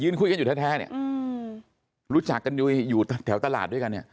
คุยกันอยู่แท้เนี่ยรู้จักกันอยู่แถวตลาดด้วยกันเนี่ย